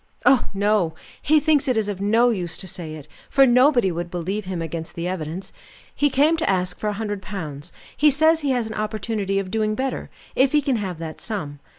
"Oh, no! He thinks it is of no use to say it, for nobody would believe him against the evidence. He came to ask for a hundred pounds; he says he has an opportunity of doing better, if he can have that sum.